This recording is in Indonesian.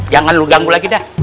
jangan lu ganggu lagi dah